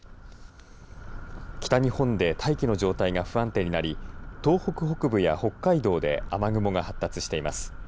北日本で大気の状態が不安定になり東北北部や北海道で雨雲が発達しています。